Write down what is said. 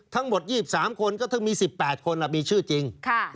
ทั้งหมด๒๓คนก็ถึงมี๑๘คนมีชื่อจริง